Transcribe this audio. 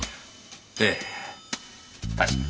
ええ確かに。